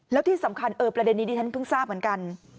แล้วที่สำคัญประเด็นนี้ที่ฉันเพิ่งทราบเหมือนกัน